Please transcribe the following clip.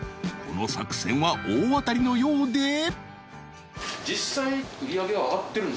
この作戦は大当たりのようで